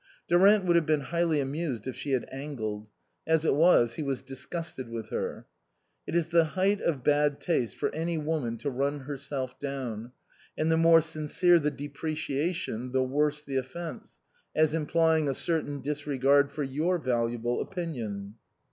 Durant would have been highly amused if she had angled ; as it was, he was disgusted with her. It is the height of bad taste for any woman to run herself down, and the more sincere the de preciation the worse the offence, as implying a certain disregard for your valuable opinion.